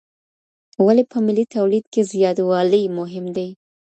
ولي په ملي توليد کي زياتوالى مهم دى؟